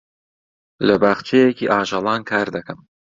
لە باخچەیەکی ئاژەڵان کار دەکەم.